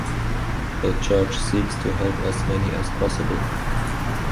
The church seeks to help as many as possible.